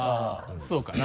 そうかな？